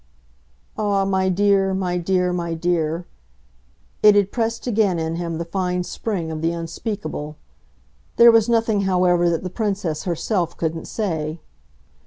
"Ah, my dear, my dear, my dear!" it had pressed again in him the fine spring of the unspeakable. There was nothing, however, that the Princess herself couldn't say.